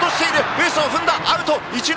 ベースを踏んで、アウト。